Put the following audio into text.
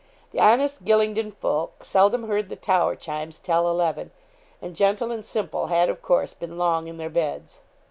The honest Gylingden folk seldom heard the tower chimes tell eleven, and gentle and simple had, of course, been long in their beds.